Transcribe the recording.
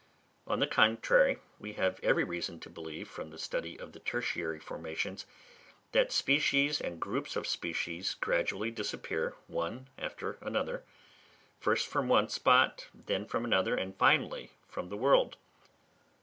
On the contrary, we have every reason to believe, from the study of the tertiary formations, that species and groups of species gradually disappear, one after another, first from one spot, then from another, and finally from the world.